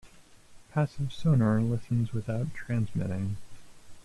Passive sonar listens without transmitting.